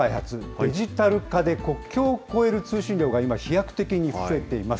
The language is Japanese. デジタル化で国境を越える通信量が今、飛躍的に増えています。